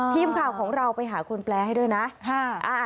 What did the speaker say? ทีมข่าวของเราไปหาคนแปลให้ด้วยนะ